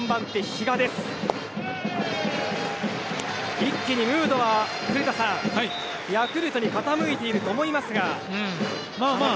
古田さん、一気にムードはヤクルトに傾いていると思いますが。